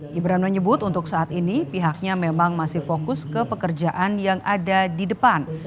gibran menyebut untuk saat ini pihaknya memang masih fokus ke pekerjaan yang ada di depan